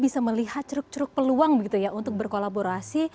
bisa melihat ceruk ceruk peluang untuk berkolaborasi